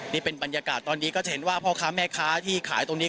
นี่เป็นบรรยากาศตอนนี้ก็จะเห็นว่าพ่อค้าแม่ค้าที่ขายตรงนี้